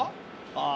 ああ